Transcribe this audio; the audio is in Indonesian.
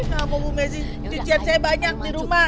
gapapa bu messi nyucian saya banyak di rumah